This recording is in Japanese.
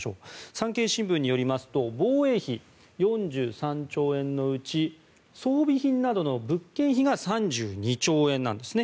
産経新聞によりますと防衛費、４３兆円のうち装備品などの物件費が３２兆円なんですね。